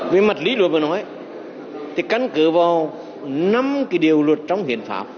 với mặt lý luật mà nói thì cắn cử vào năm cái điều luật trong hiện pháp